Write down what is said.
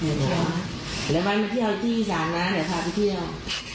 หรือเปล่าแล้วมาที่เอาที่อีสานนะเดี๋ยวพาไปเที่ยว